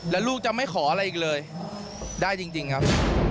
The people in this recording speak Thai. แล้วลูกจะไม่ขออะไรอีกเลยได้จริงครับ